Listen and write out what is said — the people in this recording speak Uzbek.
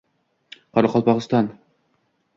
Qoraqalpog‘iston